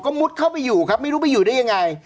มุดเข้าไปอยู่ครับไม่รู้ไปอยู่ได้ยังไง